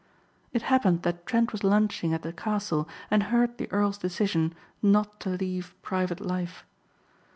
It happened that Trent was lunching at the castle and heard the earl's decision not to leave private life.